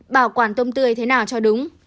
ba bảo quản tôm tươi thế nào cho đúng